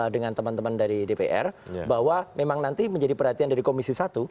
dengan teman teman dari dpr bahwa memang nanti menjadi perhatian dari komisi satu